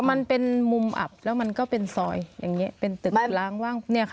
มันเป็นมุมอับแล้วมันก็เป็นซอยอย่างนี้เป็นตึกล้างว่างเนี่ยค่ะ